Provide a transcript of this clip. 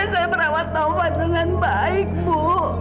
saya merawat tauwa dengan baik bu